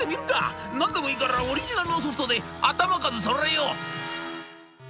何でもいいからオリジナルのソフトで頭数そろえよう」。